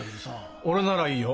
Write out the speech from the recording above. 俺ならいいよ。